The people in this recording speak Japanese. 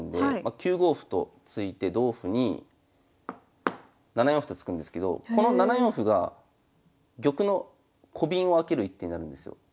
９五歩と突いて同歩に７四歩と突くんですけどこの７四歩が玉のコビンを開ける一手になるんですよ。